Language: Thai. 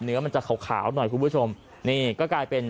เนื้อมันจะขาวขาวหน่อยคุณผู้ชมนี่ก็กลายเป็น